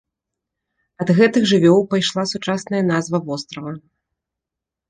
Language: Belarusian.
Ад гэтых жывёл пайшла сучасная назва вострава.